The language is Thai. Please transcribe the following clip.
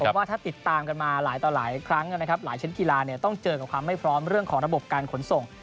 ผมว่าถ้าติดตามกันมาหลายต่อหลายครั้งนะครับหลายชิ้นกีฬาต้องเจอกับความไม่พร้อมเรื่องของระบบการขนส่ง